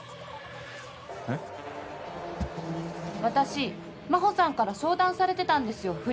私真帆さんから相談されてたんですよ